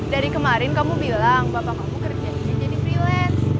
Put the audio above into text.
dari kemarin kamu bilang bapak kamu kerja di sini jadi freelance